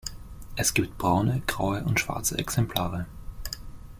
Es gibt braune, graue und schwarze Exemplare.